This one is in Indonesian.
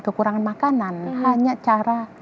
kekurangan makanan hanya cara